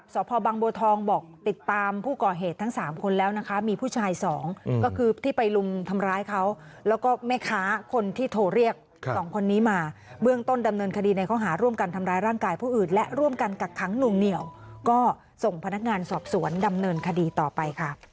ซัดหน้าอย่างเดียวอ่ะ